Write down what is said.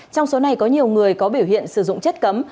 trong số này có nhiều người có biểu hiện sử dụng chất cấm